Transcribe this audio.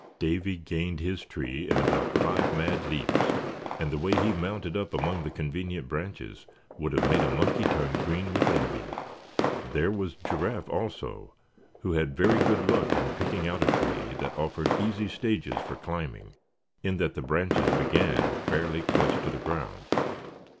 Davy gained his tree in about five mad leaps, and the way he mounted up among the convenient branches would have made a monkey turn green with envy. There was Giraffe also, who had very good luck in picking out a tree that offered easy stages for climbing, in that the branches began fairly close to the ground.